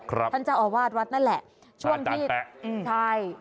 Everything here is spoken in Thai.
ครับท่านเจ้าอวาดวัดนั่นแหละช่วงที่อาจารย์แป๊ะอืมใช่